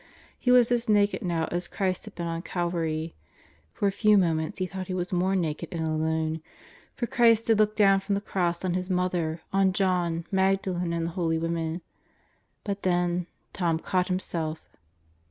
He was as naked now as Christ had been on Calvary ,.. for a few moments he thought he was more naked and alone; for Christ did look down from the Cross on His Mother, on John, Magdalen, and the Holy Women. But then, Tom caught himself.